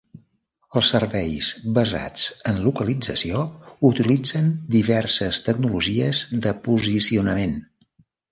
Els serveis basats en localització utilitzen diverses tecnologies de posicionament.